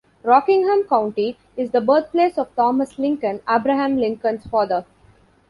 Rockingham County is the birthplace of Thomas Lincoln, Abraham Lincoln's father.